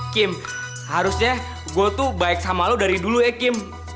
kim harusnya gue tuh baik sama lo dari dulu ya kim